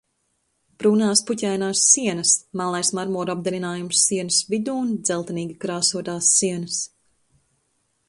Brūnās puķainās sienas, melnais "marmora" apdarinājums sienas vidū un dzeltenīgi krāsotās sienas.